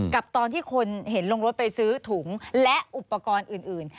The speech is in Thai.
กับตอนที่คนเห็นลงรถไปซื้อถุงและอุปกรณ์อื่น